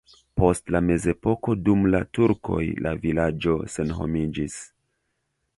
Post la mezepoko dum la turkoj la vilaĝo senhomiĝis.